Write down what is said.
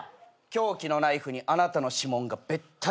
凶器のナイフにあなたの指紋がべったりついてた。